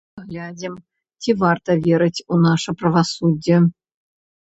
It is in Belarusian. Паглядзім, ці варта верыць у наша правасуддзе.